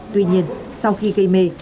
tuy nhiên sau khi gây mê